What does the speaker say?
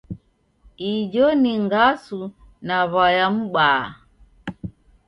Ijo ni ngasu na w'aya m'baa.